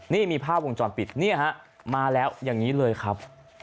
นี่มีภาพวงจรปิดนี่ฮะมาแล้วอย่างนี้เลยครับ